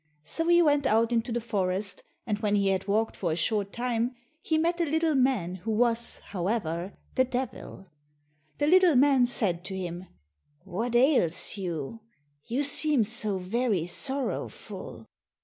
So he went out into the forest and when he had walked for a short time, he met a little man who was, however, the Devil. The little man said to him, "What ails you, you seem so very sorrowful?"